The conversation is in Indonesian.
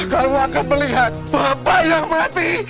kau akan melihat bapak yang mati